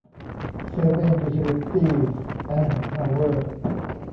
เซเว่น ยูทิลิตี้ส์ แอนด์ พาวเวอร์